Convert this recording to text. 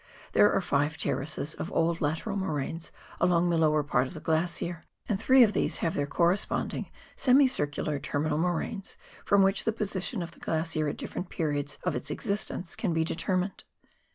There are five terraces of old lateral moraines along the lower part of the glacier, and three of these have their corresponding, semicircular, terminal moraines, from which the position of the glacier at different periods of its existence can be determined.